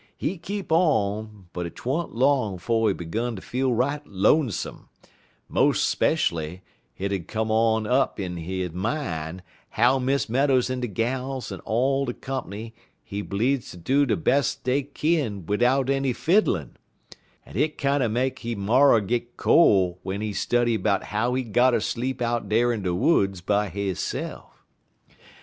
He keep on, but 't wa'n't long 'fo' he 'gun ter feel right lonesome, mo' speshually w'en hit come up in he min' how Miss Meadows en de gals en all de comp'ny be bleedz ter do de bes' dey kin bidout any fiddlin'; en hit kinder make he marrer git cole w'en he study 'bout how he gotter sleep out dar in de woods by hisse'f.